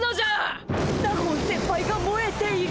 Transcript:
納言先輩がもえている。